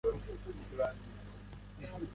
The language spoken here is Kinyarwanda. Muri iryo joro, Asem yamennye amasahani atanu.